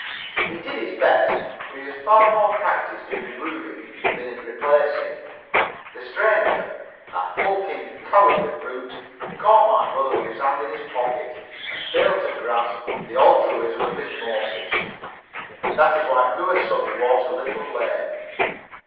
He did his best, but he was far more practised in removing than in replacing. The stranger a hulking, cowardly brute caught my brother with his hand in his pocket, and failed to grasp the altruism of his motives, and that is why poor Sunnie walks a little lame.